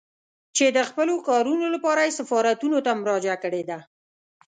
چې د خپلو کارونو لپاره يې سفارتونو ته مراجعه کړې ده.